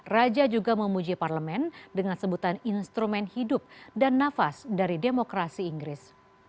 raja juga memuji parlemen dengan sebutan instrumen hidup dan nafas dari demokrasi inggris